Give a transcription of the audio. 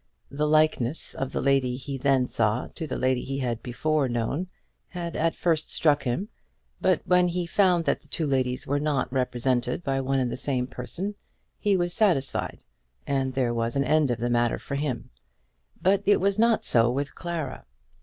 The likeness of the lady he then saw to the lady he had before known, had at first struck him; but when he found that the two ladies were not represented by one and the same person, he was satisfied, and there was an end of the matter for him. But it was not so with Clara.